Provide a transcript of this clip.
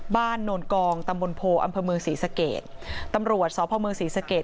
บ้านโน่นกองตำบลโพอัมพมืองศรีสะเกตตำรวจสอบพระมืองศรีสะเกต